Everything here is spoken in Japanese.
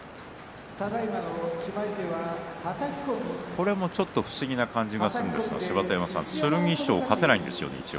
これもちょっと不思議な感じがするんですが、芝田山さん剣翔が勝てないんですね。